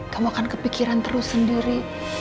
kamu akan kepikiran sendiri